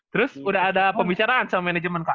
terus udah ada pembicaraan sama manajemen kak